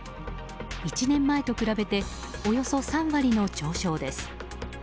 １年前と比べておよそ３割の上昇です。